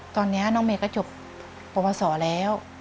ตอนนี้น้องเมก็จบประวัติศาสตร์แล้ว